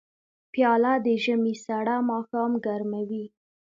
پیاله د ژمي سړه ماښام ګرموي.